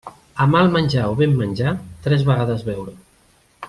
A mal menjar o ben menjar, tres vegades beure.